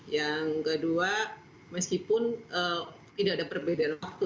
yang kedua meskipun tidak ada perbedaan waktu